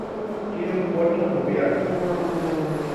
Tiene un puerto fluvial.